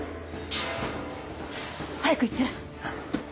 早く行って！